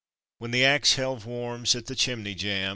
When the ax helve warms at the chimney jamb!